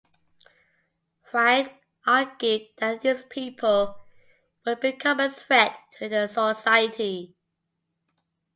Huang argued that these people would become a threat to the society.